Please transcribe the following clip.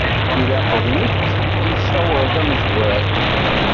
Ilaq d nekk i tcawṛeḍ d amezwar.